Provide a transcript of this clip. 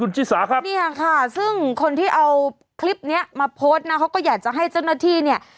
ชิสาครับเนี่ยค่ะซึ่งคนที่เอาคลิปเนี้ยมาโพสต์นะเขาก็อยากจะให้เจ้าหน้าที่เนี่ย